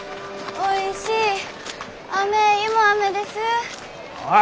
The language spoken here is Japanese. おいおい